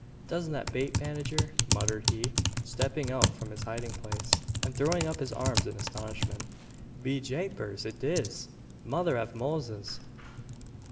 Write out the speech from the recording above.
"Doesn't that bate Banagher?" muttered he, stepping out from his hiding place, and throwing up his arms in astonishment. "Be japers! it diz. Mother av Moses!